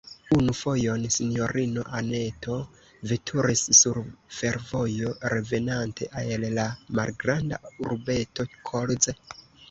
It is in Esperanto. Unu fojon sinjorino Anneto veturis sur fervojo, revenante el la malgranda urbeto Kolz.